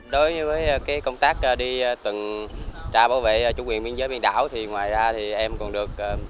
đối với cái công tác đi từng ra bảo vệ chủ quyền biên giới biên đảo thì ngoài ra thì em còn được